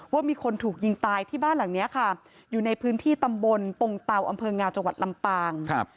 ว่ามีคนถูกยิงตายที่บ้านหลังนี้ค่ะอยู่ในพื้นที่ตำบลปงเตาอำเภองาจังหวัดลำปาง